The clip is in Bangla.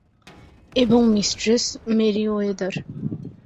এবং মিস্ট্রেস মেরিওয়েদার।